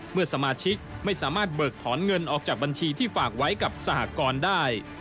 เมื่อสมาชิกไม่สามารถเบิกถอนเงินออกจากบัญชีที่ฝากไว้กับสหกรได้